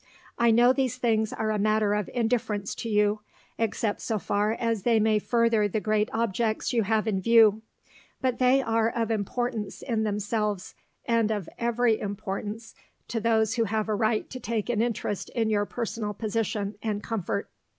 I know these things are a matter of indifference to you except so far as they may further the great objects you have in view; but they are of importance in themselves, and of every importance to those who have a right to take an interest in your personal position and comfort.